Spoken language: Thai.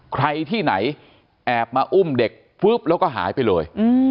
ใครที่ไหนแอบมาอุ้มเด็กปุ๊บแล้วก็หายไปเลย